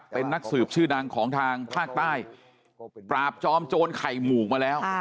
เป็นนักสืบชื่อดังของทางภาคใต้ปราบจอมโจรไข่หมูกมาแล้ว